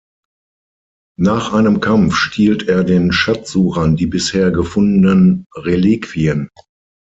Nach einem Kampf stiehlt er den Schatzsuchern die bisher gefundenen Reliquien.